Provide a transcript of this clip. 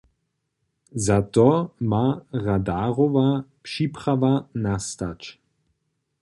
Za to ma radarowa připrawa nastać.